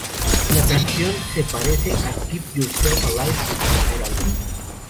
La canción se parece a "Keep Yourself Alive" de su primer álbum.